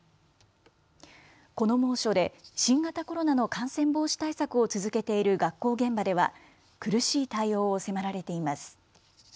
この猛暑で新型コロナの感染防止対策を続けている学校現場では苦しい対応を迫られています。